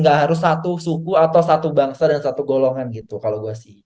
gak harus satu suku atau satu bangsa dan satu golongan gitu kalau gue sih